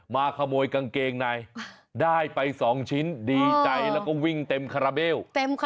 มาขโมยกางเกงในได้ไป๒ชิ้นดีใจแล้วก็วิ่งเต็มคาราเบล